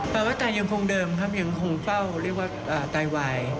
แปลว่าไตยังคงเดิมครับยังคงเฝ้าเรียกว่าไตวาย